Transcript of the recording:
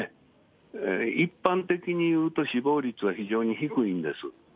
一般的に言うと、死亡率は非常に低いんです。